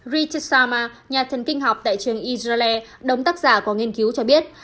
richard salma nhà thân kinh học tại trường israel đống tác giả của nghiên cứu cho biết